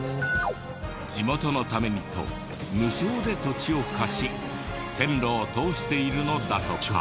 地元のためにと無償で土地を貸し線路を通しているのだとか。